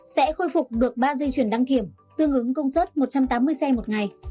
sẽ khôi phục được ba dây chuyển đăng kiểm tương ứng công suất một trăm tám mươi xe một ngày